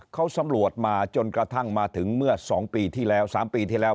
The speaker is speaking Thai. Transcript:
เขาสำรวจมาจนกระทั่งมาถึงเมื่อ๒ปีที่แล้ว๓ปีที่แล้ว